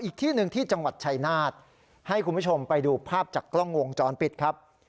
อีกที่หนึ่งที่จังหวัดชายนาฏให้คุณผู้ชมไปดูภาพจากกล้องวงจรปิดครับ